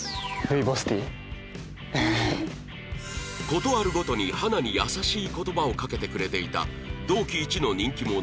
事あるごとに花に優しい言葉をかけてくれていた同期一の人気者